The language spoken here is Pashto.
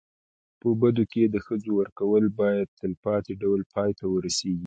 په بدو کي د ښځو ورکول باید تلپاتي ډول پای ته ورسېږي.